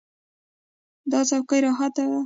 دا چوکۍ راحته ده.